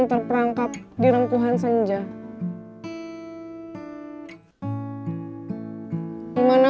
sampai jumpa di video selanjutnya